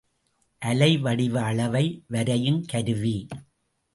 அலை வடிவ அளவை வரையுங் கருவி.